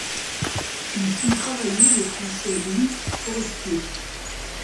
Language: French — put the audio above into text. Il fit travailler le français Louis Forestier.